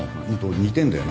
似てるんだよな